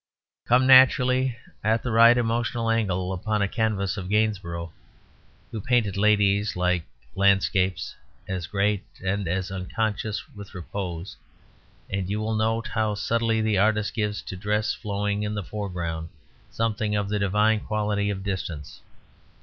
Come naturally, at the right emotional angle, upon a canvass of Gainsborough, who painted ladies like landscapes, as great and as unconscious with repose, and you will note how subtly the artist gives to a dress flowing in the foreground something of the divine quality of distance.